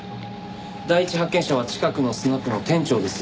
第一発見者は近くのスナックの店長です。